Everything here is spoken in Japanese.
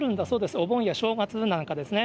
お盆や正月なんかですね。